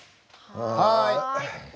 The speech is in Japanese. はい。